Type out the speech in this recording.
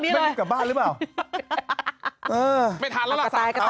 พี่หนุ่มก็รู้จัก